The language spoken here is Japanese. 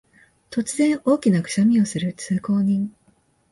突然、大きなくしゃみをする通行人